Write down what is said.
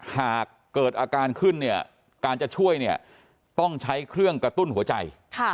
หากเกิดอาการขึ้นเนี่ยการจะช่วยเนี่ยต้องใช้เครื่องกระตุ้นหัวใจ